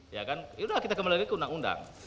yaudah kita kembali lagi ke undang undang